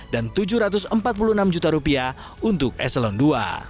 dan tujuh ratus empat puluh enam juta rupiah untuk eselon ii